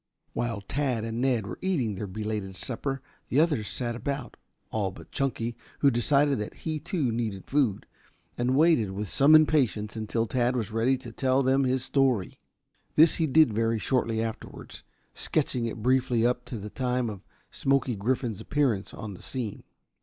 While Tad and Ned were eating their belated supper the others sat about all but Chunky, who decided that he too needed food and waited with some impatience until Tad was ready to tell them his story. This he did very shortly afterwards, sketching it briefly up to the time of Smoky Griffin's appearance on the scene.